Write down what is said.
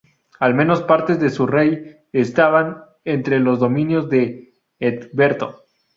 Al menos partes de Surrey estaban entre los dominios de Egberto.